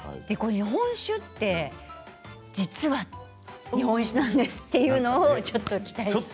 日本酒って実は日本酒なんです！というのをちょっと期待して。